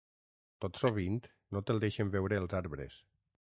Tot sovint no te'l deixen veure els arbres.